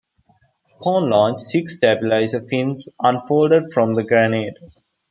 Upon launch six stabilizer fins unfolded from the grenade.